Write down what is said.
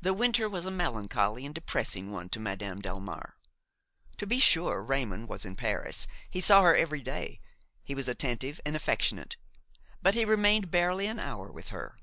The winter was a melancholy and depressing one to Madame Delmare. To be sure, Raymon was in Paris, he saw her every day, he was attentive and affectionate; but he remained barely an hour with her.